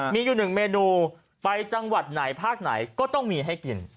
มีอยู่หนึ่งเมนูไปจังหวัดไหนภาคไหนก็ต้องมีให้กิน